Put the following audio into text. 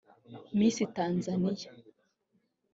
Miss Tanzania